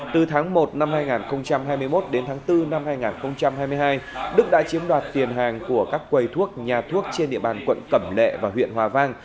từ tháng một năm hai nghìn hai mươi một đến tháng bốn năm hai nghìn hai mươi hai đức đã chiếm đoạt tiền hàng của các quầy thuốc nhà thuốc trên địa bàn quận cẩm lệ và huyện hòa vang